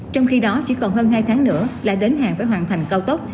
trong khi đó chỉ còn hơn hai tháng nữa là đến hàng phải hoàn thành cao tốc